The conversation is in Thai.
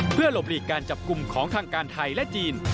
เพื่อหลบหลีกการจับกลุ่มของทางการไทยและจีน